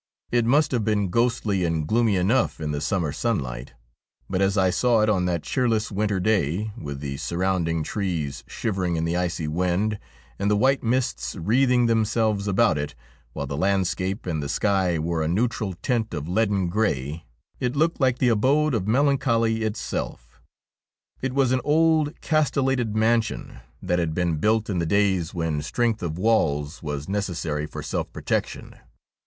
It must have been ghostly and gloomy enough in the summer sunlight, but as I saw it on that cheer less winter day, with the surrounding trees shivering in the icy wind, and the white mists wreathing themselves about it, while the landscape and the sky wore a neutral tint of leaden grey, it looked like the abode of melancholy itself. It was an old, castellated mansion that had been built in the days when THE SPECTRE OF BARROCHAN 43 strength of walls was necessary for self protection.